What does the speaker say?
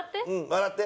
笑って。